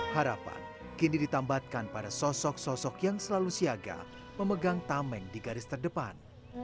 harapan kini ditambatkan pada sosok sosok yang selalu siaga memegang tameng di garis terdepan